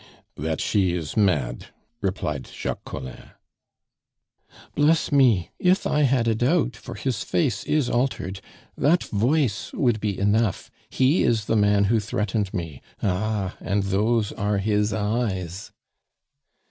"That she is mad," replied Jacques Collin. "Bless me! If I had a doubt for his face is altered that voice would be enough. He is the man who threatened me. Ah! and those are his eyes!"